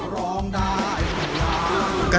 ร้องได้ให้ล้าน